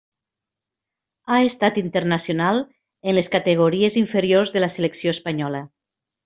Ha estat internacional en les categories inferiors de la selecció espanyola.